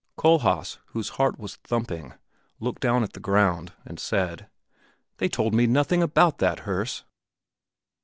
Kohlhaas, whose heart was thumping, looked down at the ground and said, "They told me nothing about that, Herse!"